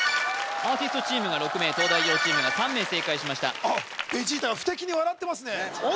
アーティストチームが６名東大王チームが３名正解しましたベジータが不敵に笑ってますねえっ！？